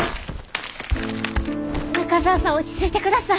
中澤さん落ち着いてください。